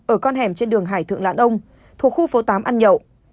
ở con hẻm trên đường hải thượng lãn ông thuộc khu phố tám ăn nhậu